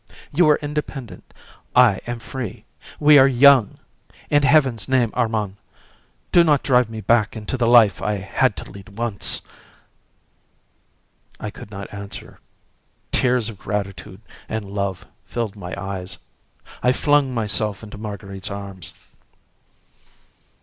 You are independent, I am free, we are young; in heaven's name, Armand, do not drive me back into the life I had to lead once!" I could not answer. Tears of gratitude and love filled my eyes, and I flung myself into Marguerite's arms.